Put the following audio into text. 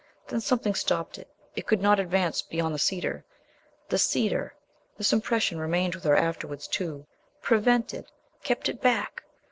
Then something stopped it. It could not advance beyond the cedar. The cedar this impression remained with her afterwards too prevented, kept it back.